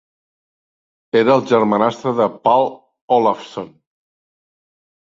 Era el germanastre de Páll Ólafsson.